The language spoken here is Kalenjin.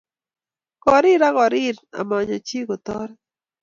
kirir ako rir amanyo chii kotoret